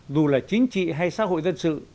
dù là chính trị hay xã hội dân sự